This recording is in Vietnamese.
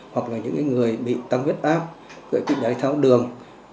hoặc là những người bị tăng huyết áp gợi kịp đáy tháo đường